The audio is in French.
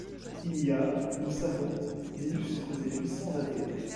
Il y a, nous le savons, d'illustres et puissants athées.